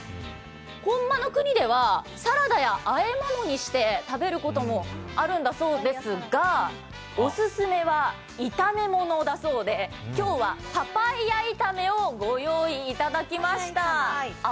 本場国では、サラダや和え物にして食べることもあるんだそうですが、オススメは炒め物だそうで、今日はパパイヤ炒めをご用意いただきました。